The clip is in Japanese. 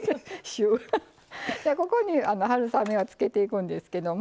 ここに春雨をつけていくんですけど。